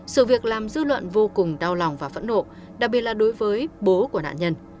sự việc làm dư luận vô cùng đau lòng và phẫn nộ đặc biệt là đối với bố của nạn nhân